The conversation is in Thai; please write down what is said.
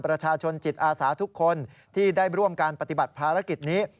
ประชาชนจิตอาสาทุกคนที่ได้ร่วมการปฏิบัติภารกิจนี้